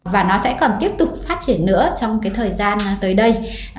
và nó sẽ còn tiếp tục phát triển nữa trong cái thời gian tới đây